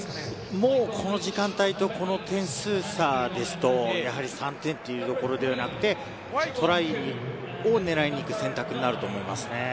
もうこの時間帯と、この点数差ですと、３点というところではなくて、トライを狙いに行く選択になると思いますね。